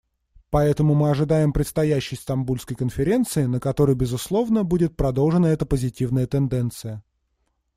Поэтому мы ожидаем предстоящей Стамбульской конференции, на которой, безусловно, будет продолжена эта позитивная тенденция.